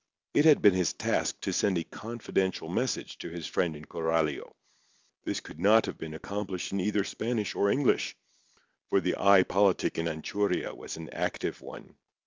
It had been his task to send a confidential message to his friend in Coralio. This could not have been accomplished in either Spanish or English, for the eye politic in Anchuria was an active one.